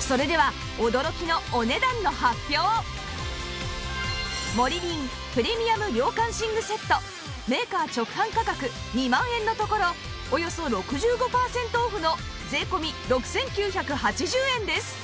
それではモリリンプレミアム涼感寝具セットメーカー直販価格２万円のところおよそ６５パーセントオフの税込６９８０円です